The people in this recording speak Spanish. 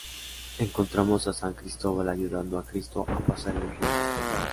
Encontramos a San Cristóbal ayudando a Cristo a pasar el río.